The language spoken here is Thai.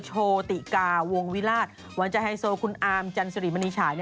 โชติกาวงวิราชวันใจไฮโซคุณอาร์มจันสุริมณีฉาย